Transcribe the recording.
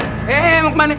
eh eh eh mau kemana